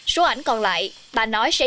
số ảnh còn lại bà nói sẽ